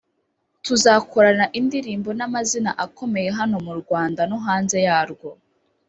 tuzakorana indirimbo n'amazina akomeye hano mu Rwanda no hanze yarwo